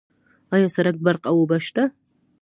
آیا سرک، برق او اوبه شته؟